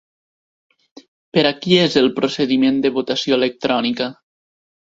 Per a qui és el procediment de votació electrònica?